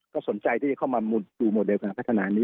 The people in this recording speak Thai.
ก็สนใจที่จะเข้ามาดูโมเดลการพัฒนานี้